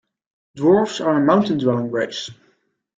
Dwarves are a mountain dwelling race.